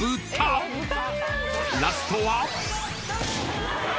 ［ラストは］